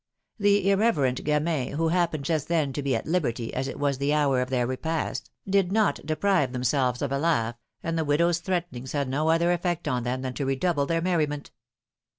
The irreverent gamins^ who happened just then to be at liberty, as it was the hour of their philomene's marriages. 287 repast; did not deprive themselves of a laugh, and the widow's threatenings had no other eflPect on them than to redouble their merriment.